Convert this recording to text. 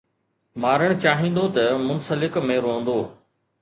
مارڻ چاهيندو ته منسلڪ ۾ روئندو